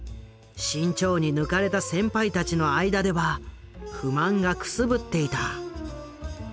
志ん朝に抜かれた先輩たちの間では不満がくすぶっていた。